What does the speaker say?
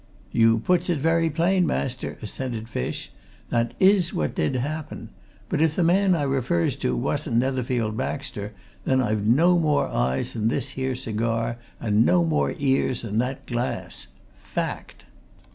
"You puts it very plain, master," assented Fish. "That is what did happen. But if the man I refers to wasn't Netherfield Baxter, then I've no more eyes than this here cigar, and no more ears than that glass! Fact!"